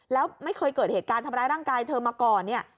แล้วไม่เคยเกิดเหตุการณ์ทำร้ายร่างกายเธอมาก่อนเนี่ย